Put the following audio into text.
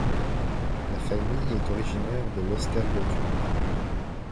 La famille est originaire de l'Östergötland.